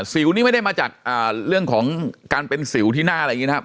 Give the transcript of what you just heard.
สิวนี่ไม่ได้มาจากเรื่องของการเป็นสิวที่หน้าอะไรอย่างนี้นะครับ